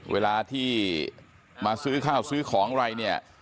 เวลาที่มาซื้อข้าวซื้อของอะไรเนี่ย